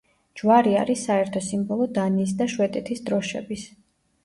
ჯვარი არის საერთო სიმბოლო დანიის და შვედეთის დროშების.